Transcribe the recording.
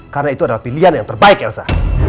karena itu adalah pilihan yang terbaik elsa